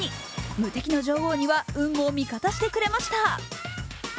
無敵の女王には運も味方してくれました。